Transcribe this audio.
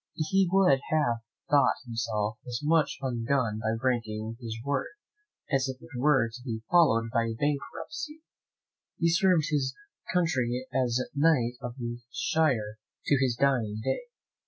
He would have thought himself as much undone by breaking his word, as if it were to be followed by bankruptcy. He served his country as knight of this shire to his dying day.